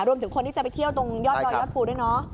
รวมถึงคนที่จะไปเที่ยวตรงยอดดอยยอดภูด้วยเนาะ